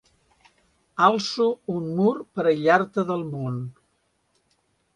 Alço un mur per aïllar-te del món.